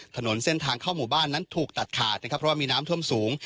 ถนนเส้นทางเข้าหมู่บ้านนั้นถูกตัดขาดนะครับเพราะว่ามีน้ำท่วมสูง